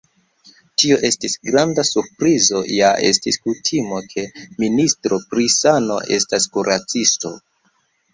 Tio estis granda surprizo, ja estis kutimo, ke ministro pri sano estas kuracisto.